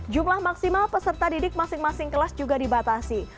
jumlah maksimal peserta didik masing masing kelas juga dibatasi